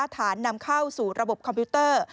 ฐานนำเข้าสู่ระบบคอมพิวเตอร์